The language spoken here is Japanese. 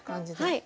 はい。